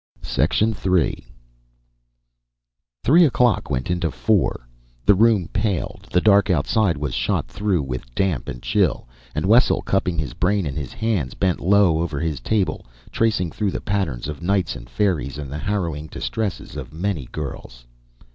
III Three o'clock went into four. The room paled, the dark outside was shot through with damp and chill, and Wessel, cupping his brain in his hands, bent low over his table, tracing through the pattern of knights and fairies and the harrowing distresses of many girls.